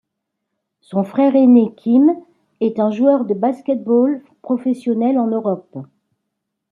Son frère aîné Kim est un joueur de basketball professionnel en Europe.